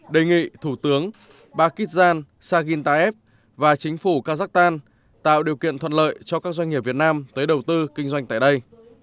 đề nghị thủ tướng pakistan sagitaev và chính phủ kazakhstan tạo điều kiện thuận lợi cho các doanh nghiệp việt nam tới đầu tư kinh doanh tại đây